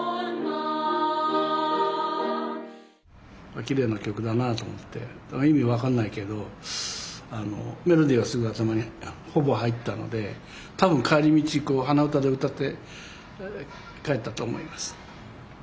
きれいな曲だなと思って意味分かんないけどメロディーはすぐ頭にほぼ入ったので多分帰り道鼻歌で歌って帰ったと思います。